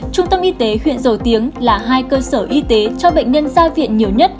trung tâm y tế huyện dầu tiếng là hai cơ sở y tế cho bệnh nhân gia viên